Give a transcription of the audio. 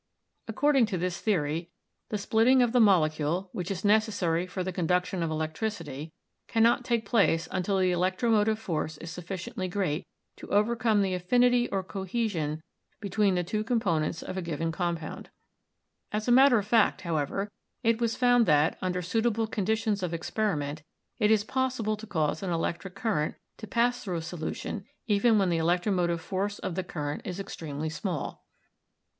According to this theory the splitting of the molecule, which is necessary for the conduction of elec tricity, cannot take place until the electromotive force is sufficiently great to overcome the affinity or cohesion be tween the two components of a given compound. As a matter of fact, however, it was found that, under suitable conditions of experiment, it is possible to cause an electric current to pass through a solution even when the electro motive force of the current is extremely small.